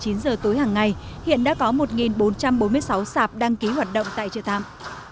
từ một mươi chín giờ tối hàng ngày hiện đã có một bốn trăm bốn mươi sáu sạp đăng ký hoạt động tại chợ tạm